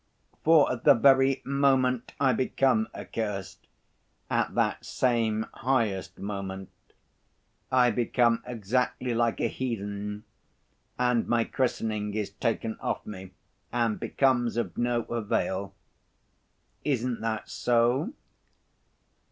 For at the very moment I become accursed, at that same highest moment, I become exactly like a heathen, and my christening is taken off me and becomes of no avail. Isn't that so?"